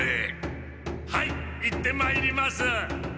はい行ってまいります！